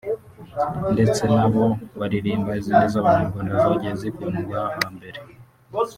ndetse nabo baririmba izindi z’abanyarwanda zagiye zikundwa hambere